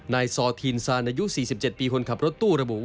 นายซอธีนซานนายุ๔๗ปีคนขับรถตู้ละบูว่า